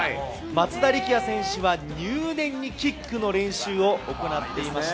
松田力也選手は入念にキックの練習を行っていました。